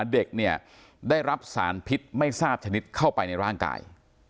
เด็กเนี่ยได้รับสารพิษไม่ทราบชนิดเข้าไปในร่างกาย